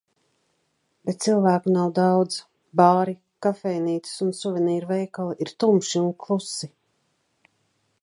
Bet cilvēku nav daudz. Bāri, kafejnīcas un suvenīru veikali ir tumši un klusi.